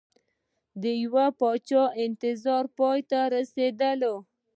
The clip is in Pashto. د یوچا انتظار پای ته رسیدلي